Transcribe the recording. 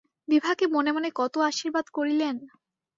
বিভাকে মনে মনে কত আশীর্বাদ করিলেন।